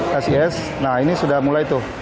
kasih s nah ini sudah mulai tuh